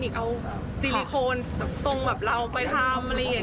เอาซิลิโคนตรงแบบเราไปทำอะไรอย่างนี้